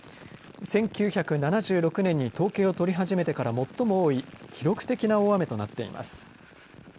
１９７６年に統計を取り始めてから最も多い記録的な大雨となっています。